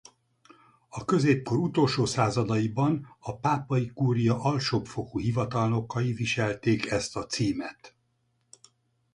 A középkor utolsó századaiban a pápai kúria alsóbb fokú hivatalnokai viselték ezt a címet.